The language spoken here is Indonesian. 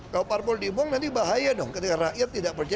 kalau parpol dimong nanti bahaya dong ketika rakyat tidak percaya